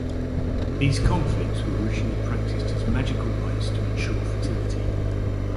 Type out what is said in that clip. These conflicts were originally practiced as magical rites to ensure fertility.